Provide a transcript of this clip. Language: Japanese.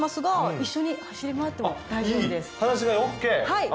はい。